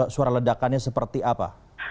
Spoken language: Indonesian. suara ledakannya seperti apa